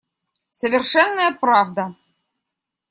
Совершенная правда.